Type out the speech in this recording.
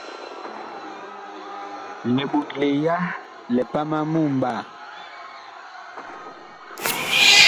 Liɓotle ya lipam a mumɓaa.